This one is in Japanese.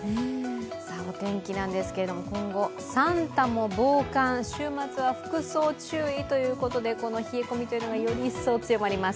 お天気なんですけれども、今後、サンタも防寒、週末は服装注意ということで、この冷え込みがより一層強まります。